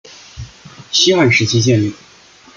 西汉时期建立。